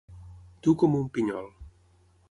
Dur com un pinyol.